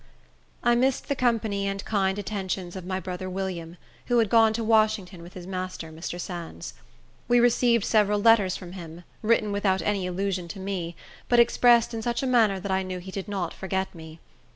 I missed the company and kind attentions of my brother William, who had gone to Washington with his master, Mr. Sands. We received several letters from him, written without any allusion to me, but expressed in such a manner that I knew he did not forget me.